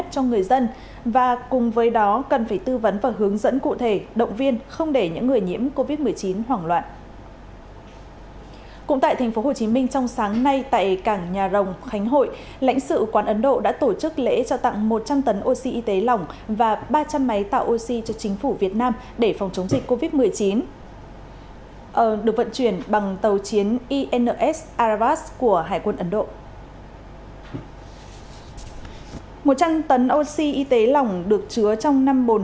một trăm linh tấn oxy y tế lỏng được chứa trong năm bồn lớn mỗi bồn hai mươi tấn